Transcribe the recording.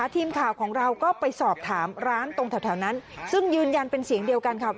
ทีมข่าวของเราก็ไปสอบถามร้านตรงแถวนั้นซึ่งยืนยันเป็นเสียงเดียวกันค่ะ